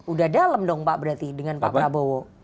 udah dalam dong pak berarti dengan pak prabowo